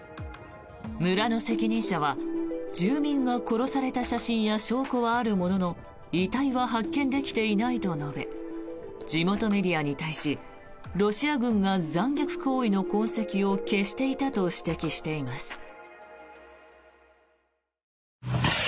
村の責任者は住民が殺された写真や証拠はあるものの遺体は発見できていないと述べ地元メディアに対しロシア軍が残虐行為の痕跡を消していたと指摘しています。